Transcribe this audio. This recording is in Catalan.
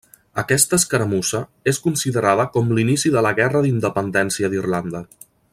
Aquesta escaramussa és considerada com l'inici de la Guerra d'Independència d'Irlanda.